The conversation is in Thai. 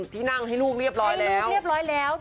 ที่นั่งให้ลูกเรียบร้อยแล้ว